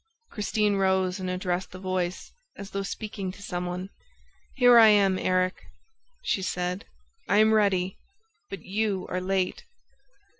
Christine rose and addressed the voice, as though speaking to some one: "Here I am, Erik," she said. "I am ready. But you are late."